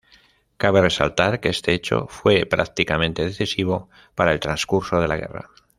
Cabe resaltar que este hecho fue prácticamente decisivo para el transcurso de la guerra.